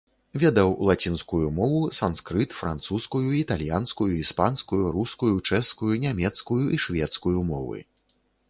Ведаў лацінскую мову, санскрыт, французскую, італьянскую, іспанскую, рускую, чэшскую, нямецкую і шведскую мовы.